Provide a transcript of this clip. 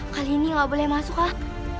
kali ini gak boleh masuk ah